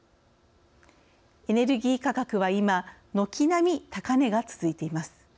エネルギー価格は、今軒並み高値が続いています。